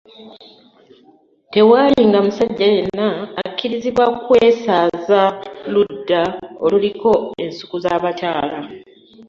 Tewaalinga musajja yenna akkirizibwa kwesaaza ludda oluliko ensuku z’abakyala.